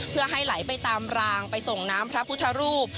เพื่อให้ไหลไปตามรางไปส่งน้ำพระพุทธรูป